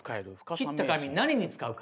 切った紙何に使うか。